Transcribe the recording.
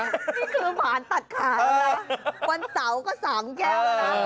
นี่คือผ่านตัดขาวแล้ววันเสาร์ก็สองแก้วนะ